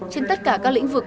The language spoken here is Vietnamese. trên tất cả các lĩnh vực